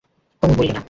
কুমুদ বলিল, না।